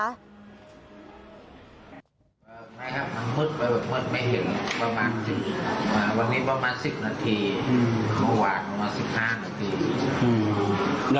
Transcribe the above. ไม่ครับมันมืดไปแบบมืดไม่เห็นประมาณวันนี้ประมาณ๑๐นาทีเมื่อวานประมาณ๑๕นาที